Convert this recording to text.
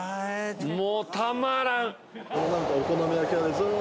もうたまらん。